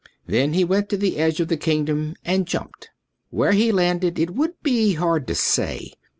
Then he went to the edge of the kingdom and jumped. Where he landed it would be hard to say.